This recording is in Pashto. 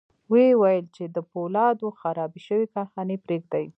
ويې ویل چې د پولادو خرابې شوې کارخانې پرېږدي